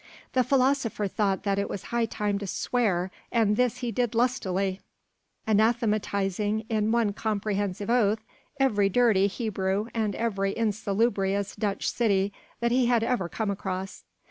The philosopher thought that it was high time to swear, and this he did lustily, anathematizing in one comprehensive oath every dirty Hebrew and every insalubrious Dutch city that he had ever come across.